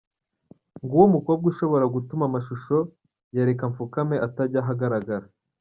Nguwo umukobwa ushobora gutuma amashusho ya Reka mfukame atajya ahagaragara.